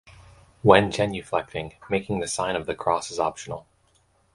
When genuflecting, making the sign of the cross is optional.